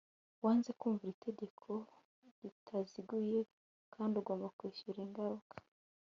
wanze kumvira itegeko ritaziguye kandi ugomba kwishyura ingaruka